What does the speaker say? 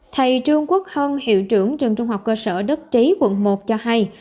thầy trương quốc hân hiệu trưởng trường trung học cơ sở đức trí quận một cho hay